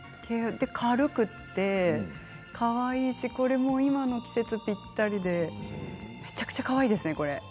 軽くてかわいいしこれも今の季節ぴったりでめちゃくちゃかわいいですねこれ。